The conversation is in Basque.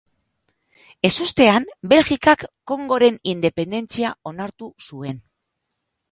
Ezustean, Belgikak Kongoren independentzia onartu zuen.